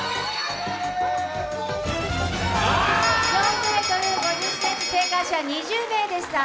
正解は４ｍ５０ｃｍ、正解者は２０名でした。